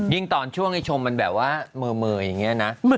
ยิงตอนช่วงพี่ต่างให้ชมมันเหมือน